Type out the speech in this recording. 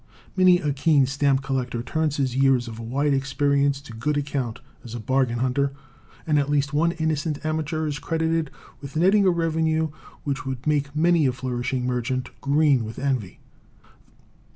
Many a keen stamp collector turns his years of wide experience to good account as a bargain hunter, and at least one innocent amateur is credited with netting a revenue which would make many a flourishing merchant green with envy.